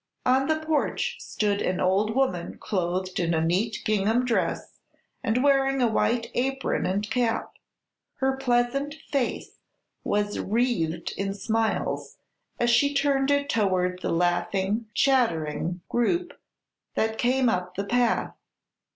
On the porch stood an old woman clothed in a neat gingham dress and wearing a white apron and cap. Her pleasant face was wreathed in smiles as she turned it toward the laughing, chattering group that came up the path.